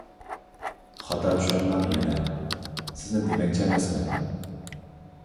خاتا چۈشەنمەڭ يەنە، سىزنى دېمەكچى ئەمەسمەن.